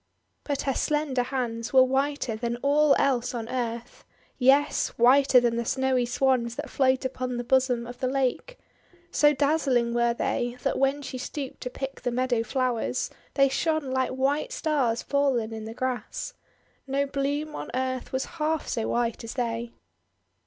But her slender hands were whiter than all else on earth. Yes, whiter than the snowy Swans that float upon the bosom of the lake. So daz zling were they, that when she stooped to pick the meadow flowers, they shone like white stars fallen in the grass. No bloom on earth was half so white as they.